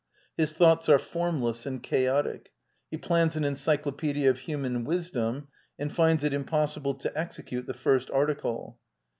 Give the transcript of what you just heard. His thoughts are formless and chaotic; he plans an encyclopedia of human wisdom and finds it impos sible to execute the first article.